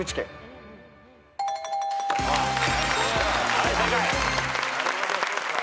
はい正解。